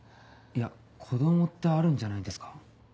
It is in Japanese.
いや子供ってあるんじゃないですか？